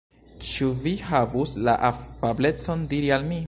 Ĉu vi havus la afablecon diri al mi.